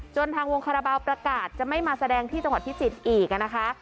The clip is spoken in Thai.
ทางวงคาราบาลประกาศจะไม่มาแสดงที่จังหวัดพิจิตรอีกนะคะ